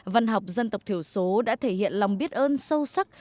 văn học dân tộc thiểu số đã thể hiện lòng biết ơn sâu sắc